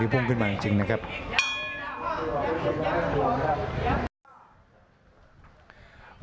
อัศวินาศาสตร์